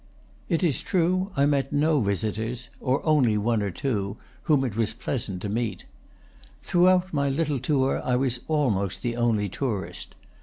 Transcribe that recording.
It is true, I met no visitors, or only one or two, whom it was pleasant to meet. Throughout my little tour I was almost the only tourist.